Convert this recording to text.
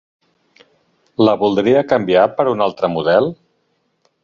La voldria canviar per un altre model?